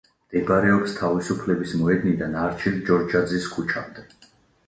მდებარეობს თავისუფლების მოედნიდან არჩილ ჯორჯაძის ქუჩამდე.